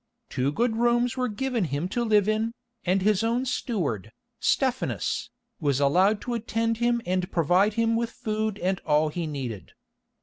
Two good rooms were given him to live in, and his own steward, Stephanus, was allowed to attend him and provide him with food and all he needed.